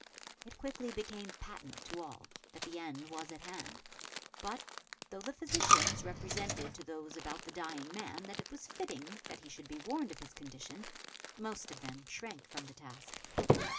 It quickly became patent to all that the end was at hand; but, though the physicians represented to those about the dying man that it was fitting that he should be warned of his condition, most of them shrank from the task.